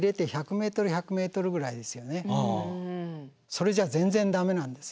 それじゃ全然駄目なんです。